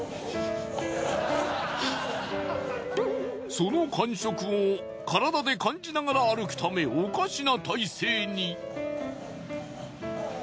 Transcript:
その感触を体で感じながら歩くためおかしな体勢に！